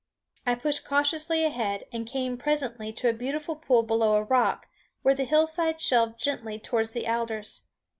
I pushed cautiously ahead and came presently to a beautiful pool below a rock, where the hillside shelved gently towards the alders.